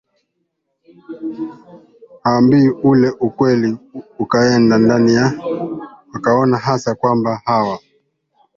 hawaambiwi ule ukweli ukaenda ndani na wakaona hasa kwamba hawa